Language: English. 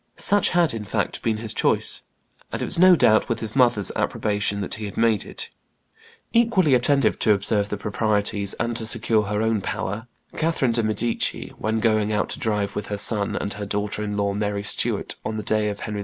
Such had, in fact, been his choice, and it was no doubt with his mother's approbation that he had made it. Equally attentive to observe the proprieties and to secure her own power, Catherine de' Medici, when going out to drive with her son and her daughter in law Mary Stuart, on the very day of Henry II.